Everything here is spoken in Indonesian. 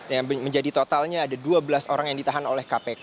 dan menjadi totalnya ada dua belas orang yang ditangkap